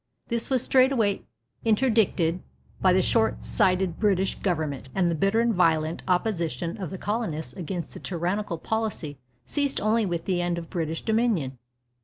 This was straightway interdicted by the short sighted British government, and the bitter and violent opposition of the colonists against this tyrannical policy ceased only with the end of British dominion.